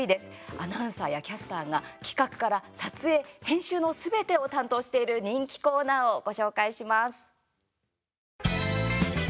アナウンサーやキャスターが企画から撮影、編集のすべてを担当している人気コーナーをご紹介します。